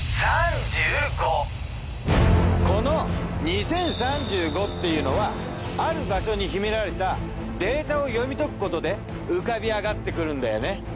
この２０３５っていうのはある場所に秘められたデータを読み解くことで浮かび上がってくるんだよね。